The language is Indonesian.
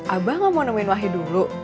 abah gak mau nemuin wahyu dulu